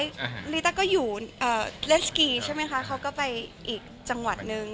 ลีต้าก็อยู่เลสกีใช่ไหมคะเขาก็ไปอีกจังหวัดนึง